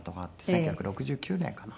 １９６９年かな？